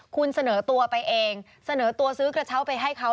คุณเสนอตัวไปเองเสนอตัวซื้อกระเช้าไปให้เขา